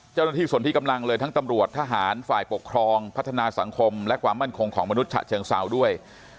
เจ้าหน้าที่ส่วนที่กำลังเลยทั้งตำรวจทหารฝ่ายปกครองพัฒนาสังคมและความมั่นคงของมนุษย์ฉะเชิงเซาด้วย